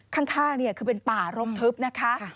ข้างคือเป็นป่ารกทึบนะคะ